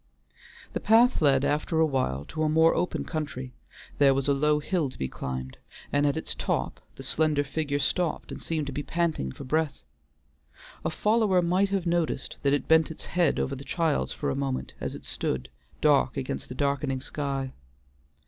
The path led after a while to a more open country, there was a low hill to be climbed, and at its top the slender figure stopped and seemed to be panting for breath. A follower might have noticed that it bent its head over the child's for a moment as it stood, dark against the darkening sky.